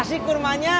nanti gue kasih kormanya